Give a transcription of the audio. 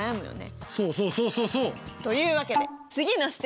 そうそうそうそうそう！というわけで次のＳＴＥＰ。